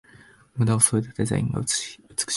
ムダをそいだデザインが美しい